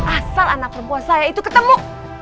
asal anak perempuan saya itu ketemu